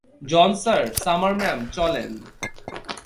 জন sir, Summer ma'am, চলেন।